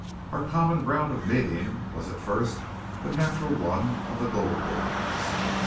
Our common ground of meeting was at first the natural one of the gold diggings.